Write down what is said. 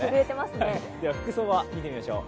服装を見てみましょう。